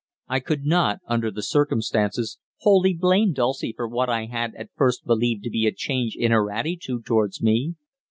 I could not, under the circumstances, wholly blame Dulcie for what I had at first believed to be a change in her attitude towards me.